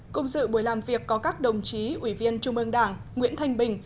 công sự buổi làm việc có các đồng chí ủy viên trung ương đảng nguyễn thanh bình